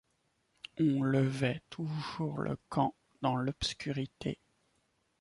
On levait toujours le camp dans l’obscurité.